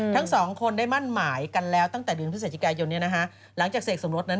ทั้งสองคนได้มั่นหมายกันแล้วตั้งแต่เดือนพฤศจิกายนหลังจากเสกสมรสนั้น